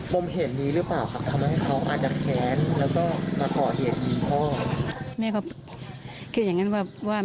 ผมเห็นดีหรือเปล่าค่ะทำให้เขาอาจจะแขนแล้วก็มาก่อเหตุผิดพ่อ